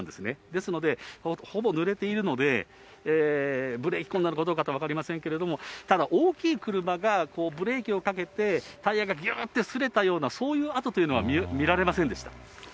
ですので、ほぼぬれているので、ブレーキ痕なのかどうか、分かりませんけれども、ただ、大きい車がブレーキをかけてタイヤがぎゅーってすれたような、そういう痕というのは見られませんでした。